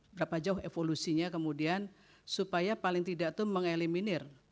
berapa jauh evolusinya kemudian supaya paling tidak itu mengeliminir